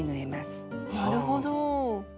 なるほど。